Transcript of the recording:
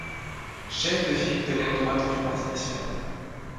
Chef de file de l'aile droite du parti national.